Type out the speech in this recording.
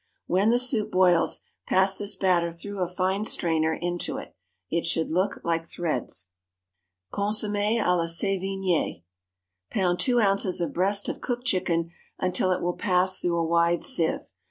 When the soup boils, pass this batter through a fine strainer into it. It should look like threads. Consommé à la Sévigné. Pound two ounces of breast of cooked chicken until it will pass through a wide sieve.